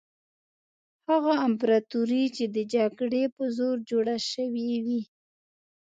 هغه امپراطوري چې د جګړې په زور جوړه شوې وي.